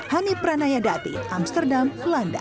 hani pranayadati amsterdam belanda